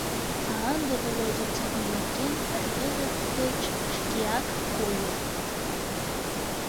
А ынде Володя тидын нерген рвезе деч шкеак кольо.